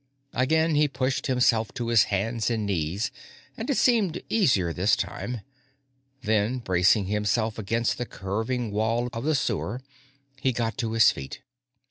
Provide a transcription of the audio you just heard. Again he pushed himself to his hands and knees, and it seemed easier this time. Then, bracing himself against the curving wall of the sewer, he got to his feet.